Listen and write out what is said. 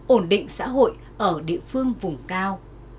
ổn định xã hội ở địa phương vùng cao